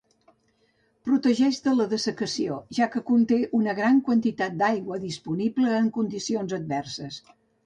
Protegeix de la dessecació, ja que conté una gran quantitat d'aigua disponible en condicions adverses.